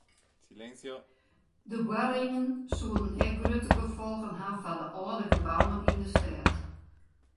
De boarringen soene ek grutte gefolgen ha foar de âlde gebouwen yn de stêd.